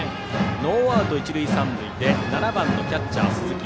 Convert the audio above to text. ノーアウト、一塁三塁で７番のキャッチャー、鈴木。